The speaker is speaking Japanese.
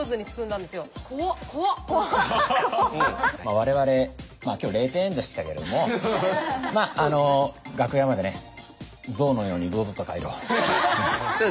我々今日０点でしたけどもまあ楽屋までね象のように堂々と帰ろう。